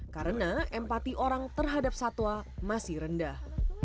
karena empati orang terhadap satwa masih rendah